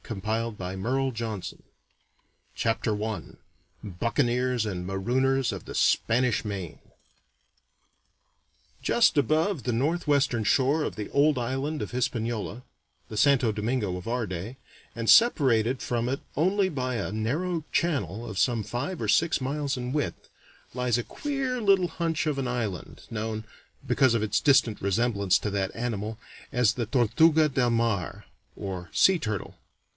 Howard Pyle Chapter I BUCCANEERS AND MAROONERS OF THE SPANISH MAIN Just above the northwestern shore of the old island of Hispaniola the Santo Domingo of our day and separated from it only by a narrow channel of some five or six miles in width, lies a queer little hunch of an island, known, because of a distant resemblance to that animal, as the Tortuga de Mar, or sea turtle.